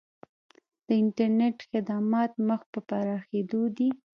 د انټرنیټ خدمات مخ په پراخیدو دي